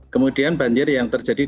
kemudian banjir yang terjadi